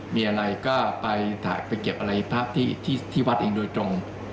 มีอะไรก็ไปถ้าไปเก็บอะไรพร่อมที่ที่วัดจะเลี่ยงโดยตรง